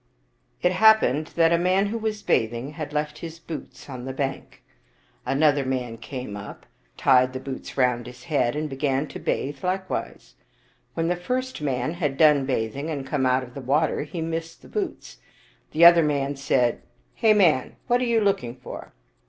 It happened that a man who was bathing had left his boots on the bank. Another man came up, tied the boots 53 Oriental Mystery Stories round his head, and began to bathe likewise. When the first man had done bathing and came out of the water, he missed the boots. The other man said, " Hey, man, what are you looking for?"